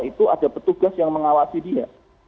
itu ada petugas yang mengawasi dia